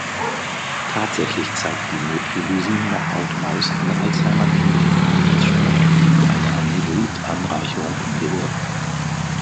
Tatsächlich zeigt die Neprilysin-Knockout-Maus eine Alzheimer-ähnliche Verhaltensstörung und eine Amyloid-Anreicherung im Gehirn.